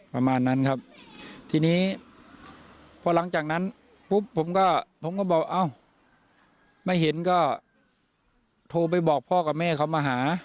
ประมาณนั้นครับทีนี้พอหลังจากนั้นปุ๊บผมก็ผมก็บอกเอ้าไม่เห็นก็โทรไปบอกพ่อกับแม่เขามาหา